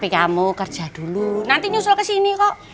kamu kerja dulu nanti nyusul kesini kok